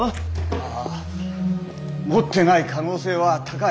まあ持ってない可能性は高い。